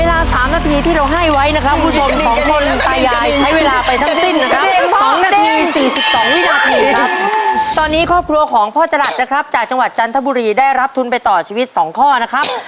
๒นาที๔๒วินาทีครับตอนนี้ครอบครัวของพ่อจรัสนะครับจากจังหวัดจันทบุรีได้รับทุนไปต่อชีวิต๒ข้อนะครับ